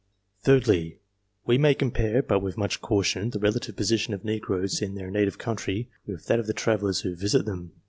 Thirdly, we may compare, but with much caution, the relative position of negroes in their native country with that of the travellers who visit them.